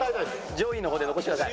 上位の方で残してください。